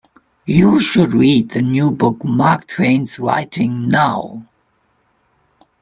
You should read the new book Mark Twain's writing now.